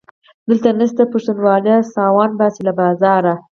دلته نسته پښتونواله - ساوڼ باسي له بازاره